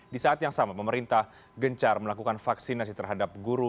di saat yang sama pemerintah gencar melakukan vaksinasi terhadap guru